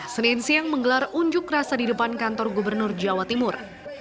senin siang menggelar unjuk rasa di depan kantor gubernur jawa timur